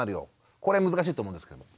これ難しいと思うんですけども。